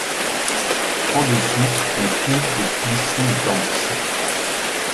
En dessous on trouve des buissons denses.